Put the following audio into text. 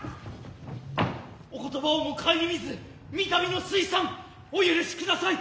お言葉をも顧みず三度の推参お許し下さい。